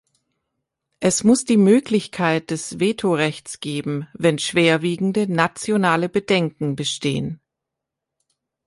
Es muss die Möglichkeit des Vetorechts geben, wenn schwerwiegende nationale Bedenken bestehen.